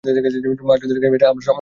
মা যদি এটা দেখে, আমরা সমস্যায় পড়ে যাব।